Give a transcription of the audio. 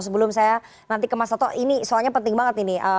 sebelum saya nanti ke mas toto ini soalnya penting banget ini